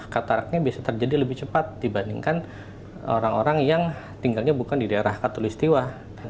kataraknya bisa terjadi lebih cepat dibandingkan orang orang yang tinggalnya bukan di daerah katolistiwa